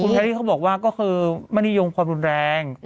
แพรรี่เขาบอกว่าก็คือไม่นิยมความรุนแรง